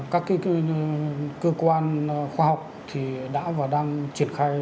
các cái cơ quan khoa học thì đã và đang triển khai